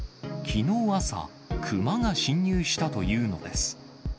きのう朝、熊が侵入したというのです。